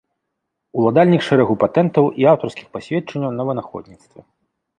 Уладальнік шэрагу патэнтаў і аўтарскіх пасведчанняў на вынаходніцтвы.